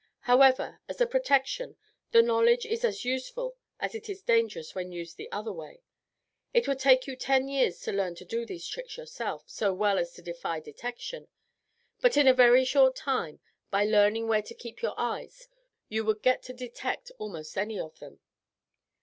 However, as a protection, the knowledge is as useful as it is dangerous when used the other way. It would take you ten years to learn to do these tricks yourself so well as to defy detection; but in a very short time, by learning where to keep your eyes, you would get to detect almost any of them.